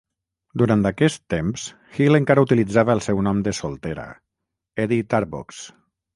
Durant aquest temps, Hill encara utilitzava el seu nom de soltera: Edye Tarbox.